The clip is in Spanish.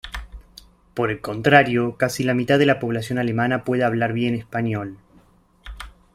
Por el contrario, casi la mitad de la población alemana puede hablar bien español.